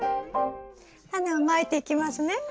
タネをまいていきますね。